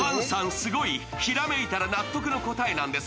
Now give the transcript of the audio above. すごい、ひらめいたら納得の答えなんです。